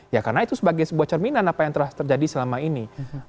ya karena itu sebagai sebuah cerminan apa yang telah terjadi selama ini